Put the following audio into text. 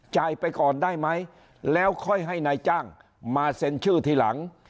ไปก่อนได้ไหมแล้วค่อยให้นายจ้างมาเซ็นชื่อทีหลัง